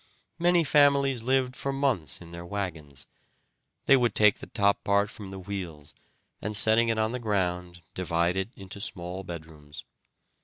Many families lived for months in their wagons. They would take the top part from the wheels, and setting it on the ground, divide it into small bedrooms.